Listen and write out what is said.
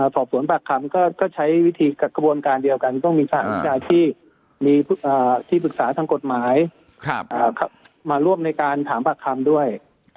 สอบสวนปากคำก็ใช้วิธีกระบวนการเดียวกันต้องมีสหวิชาชีพมีที่ปรึกษาทางกฎหมายมาร่วมในการถามปากคำด้วย